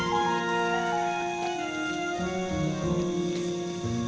jangan kacau tengok dh nochgional